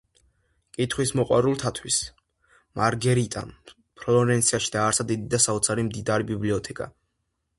კითხვის მოყვარულთათვის, მარგერიტამ ფლორენციაში დააარსა დიდი და საოცრად მდიდარი ბიბლიოთეკა.